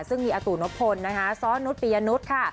ซึ่งมีอาตู่นพลนะคะซ้อนนุษยปียนุษย์ค่ะ